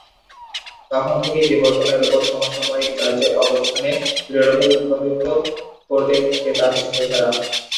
তখন থেকেই বিবর্তনের উপর সমসাময়িক চার্চের অবস্থানকে দৃঢ়ভাবে প্রভাবিত করতে থাকে তার চিন্তাধারা।